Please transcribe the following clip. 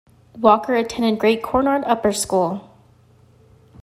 Walker attended Great Cornard Upper School.